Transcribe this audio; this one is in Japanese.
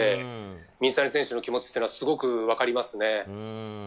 水谷選手の気持ちはすごく分かりますね。